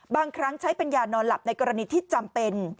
บางครั้งใช้เป็นยานอนหลับในกรณีที่จำเป็น